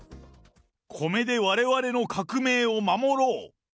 コメでわれわれの革命を守ろう。